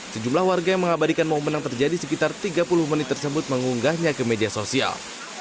sejumlah warga yang mengabadikan momen yang terjadi sekitar tiga puluh menit tersebut mengunggahnya ke media sosial